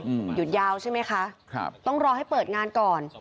หยุดยาวใช่ไหมคะครับต้องรอให้เปิดงานก่อน